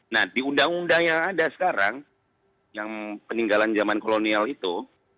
nah di undang undang yang ada sekarang yang peninggalan zaman kolonial itu